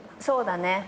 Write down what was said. そうだね。